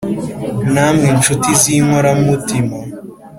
namwe nshuti z’inkora mutima